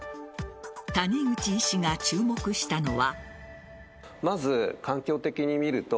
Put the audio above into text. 谷口医師が注目したのは。